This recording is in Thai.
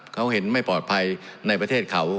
เขาเห็นไม่ปลอดภัยในประเทศเขา